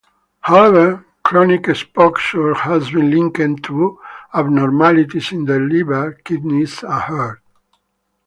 However, chronic exposure has been linked to abnormalities in the liver, kidneys, and heart.